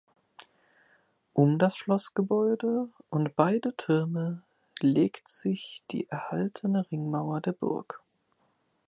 Um das Schlossgebäude und beide Türme legt sich die erhaltene Ringmauer der Burg.